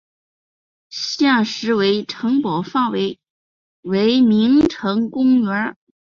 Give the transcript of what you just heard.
现时为城堡范围为名城公园。